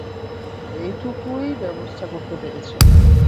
এটুকুই ব্যবস্থা করতে পেরেছি আমি।